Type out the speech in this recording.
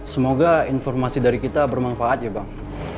semoga informasi dari kita bermanfaat ya bang